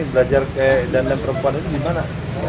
ini belajar kayak dandan perempuan ini di mana